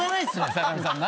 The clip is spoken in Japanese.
坂上さん。